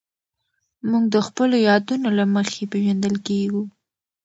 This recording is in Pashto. موږ د خپلو یادونو له مخې پېژندل کېږو.